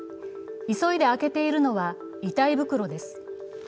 急いで開けているのは、遺体袋です